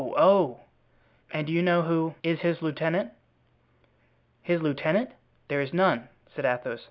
oh!" "And do you know who is his lieutenant?" "His lieutenant? There is none," said Athos.